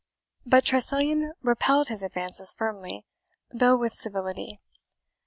But Tressilian repelled his advances firmly, though with civility.